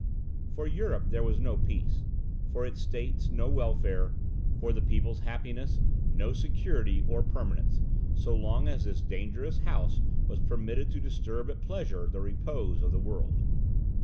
For Europe there was no peace, for its states no welfare, for the people's happiness no security or permanence, so long as this dangerous house was permitted to disturb at pleasure the repose of the world.